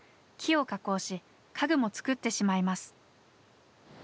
木を加工し家具も作ってしまいます。